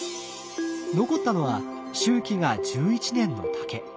残ったのは周期が１１年の竹。